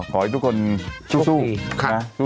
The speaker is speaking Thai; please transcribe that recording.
ขอให้ทุกคนสู้นะครับ